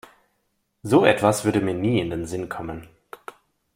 So etwas würde mir nie in den Sinn kommen.